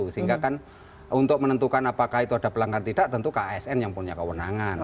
sehingga kan untuk menentukan apakah itu ada pelanggaran tidak tentu kasn yang punya kewenangan